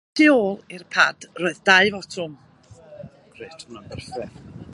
Ar y top, "y tu ôl" i'r pad, roedd dau fotwm.